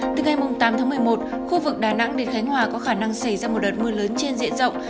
từ ngày tám tháng một mươi một khu vực đà nẵng đến khánh hòa có khả năng xảy ra một đợt mưa lớn trên diện rộng